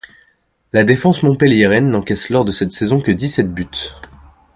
La défense montpelliéraine n’encaisse lors de cette saison que dix-sept buts.